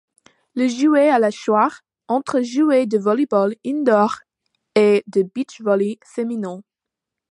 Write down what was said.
Le joueur a le choix entre jouer du volleyball indoor et du Beach-volley féminin.